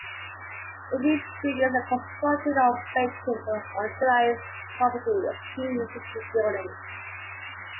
Infill buildings are constructed on vacant or underutilized property or between existing buildings.